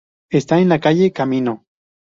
Está en la calle-camino.